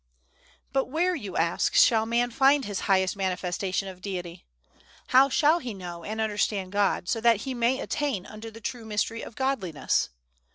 But where, you ask, shall man find his highest manifestation of Deity? How shall he know and understand God, so that he may attain unto the true mystery of Godliness?